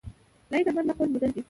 لائق احمد زما خوږ ملګری دی